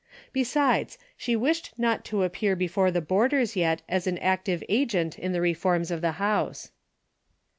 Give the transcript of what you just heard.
Besides, she wished not to appear before the boarders yet as an active agent in the reforms of the house.